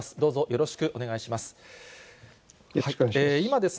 よろしくお願いします。